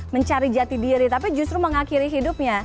mencari jati diri tapi justru mengakhiri hidupnya